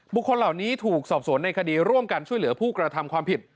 คนเหล่านี้ถูกสอบสวนในคดีร่วมกันช่วยเหลือผู้กระทำความผิด